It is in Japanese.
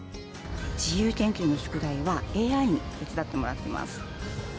自由研究の宿題は、ＡＩに手伝ってもらってます。